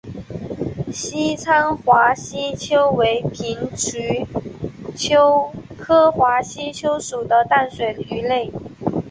西昌华吸鳅为平鳍鳅科华吸鳅属的淡水鱼类。